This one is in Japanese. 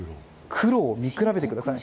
黒を見比べてみてください